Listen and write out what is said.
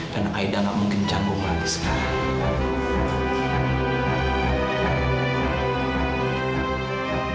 dan aida gak mungkin canggung lagi sekarang